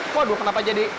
waduh kenapa jadi